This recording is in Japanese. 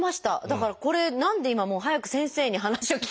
だからこれ何で今もう早く先生に話を聞きたくって。